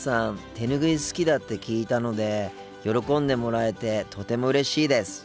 手拭い好きだって聞いたので喜んでもらえてとてもうれしいです！